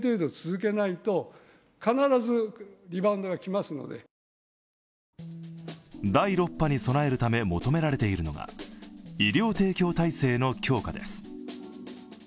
また、政府分科会の尾身会長も第６波に備えるため求められているのが医療提供体制の強化です。